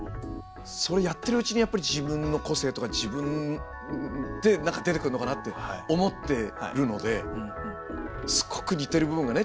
それやってるうちにやっぱり自分の個性とか自分って何か出てくるのかなって思ってるのですごく似てる部分がね